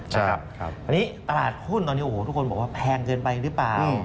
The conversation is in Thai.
อันนี้ตลาดหุ้นตอนนี้โอ้โหทุกคนบอกว่าแพงเกินไปหรือเปล่า